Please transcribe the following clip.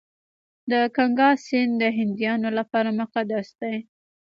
د ګنګا سیند د هندیانو لپاره مقدس دی.